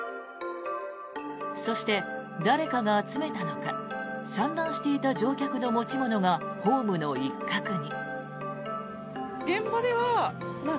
そして、誰かが集めたのか散乱していた乗客の持ち物がホームの一角に。